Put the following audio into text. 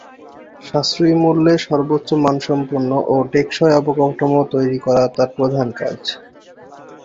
সাশ্রয়ী মূল্যে সর্বোচ্চ মান সম্পন্ন ও টেকসই অবকাঠামো তৈরি করাই তার প্রধান কাজ।